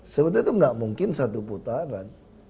sebenarnya itu nggak mungkin satu putaran